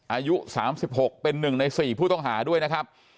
อายุ๓๖เป็น๑ใน๔ผู้ต้องหาด้วยนะครับ